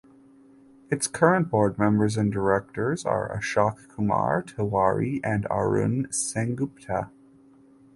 Its current board members and directors are Ashok Kumar Tiwari and Arun Sengupta.